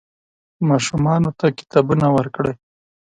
ماشومانو ته کتابونه ورکړئ.